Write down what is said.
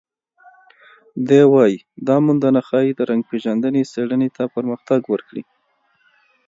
دی وايي، دا موندنه ښايي د رنګ پېژندنې څېړنې ته پرمختګ ورکړي.